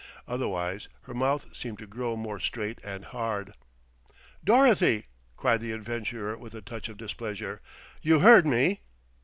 Otherwise her mouth seemed to grow more straight and hard. "Dorothy!" cried the adventurer with a touch of displeasure. "You heard me?"